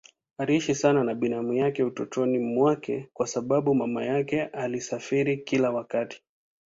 Aliishi sana na binamu yake utotoni mwake kwa sababu mama yake alisafiri kila wakati.